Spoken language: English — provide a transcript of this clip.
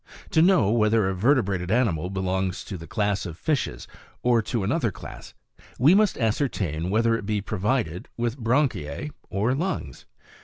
To know whether a vertebrated animal belongs to the class of fishes or to another class, we must ascertain whether it be provided with branchiae or lungs.